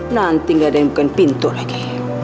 nanti gak ada yang bukan pintu lagi